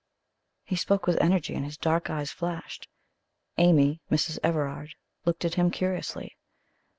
He spoke with energy, and his dark eyes flashed. Amy (Mrs. Everard) looked at him curiously.